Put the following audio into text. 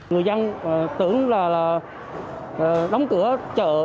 người dân tưởng là đóng cửa chợ